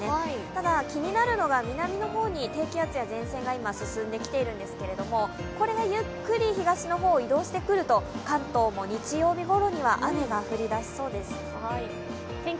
ただ気になるのが南の方に低気圧や前線が移ってくるんですがこれがゆっくり東の方に移動してくると関東も日曜日ごろには雨が降り出しそうです。